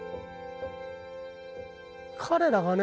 彼らがね